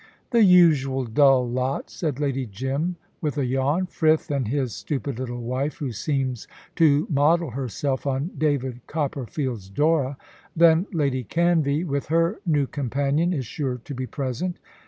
"The usual dull lot," said Lady Jim, with a yawn. "Frith and his stupid little wife, who seems to model herself on David Copperfield's Dora. Then Lady Canvey, with her new companion, is sure to be present."